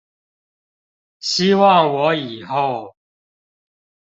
希望我以後